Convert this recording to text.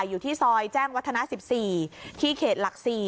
อยู่ที่ซอยแจ้งวัฒนา๑๔ที่เขตหลัก๔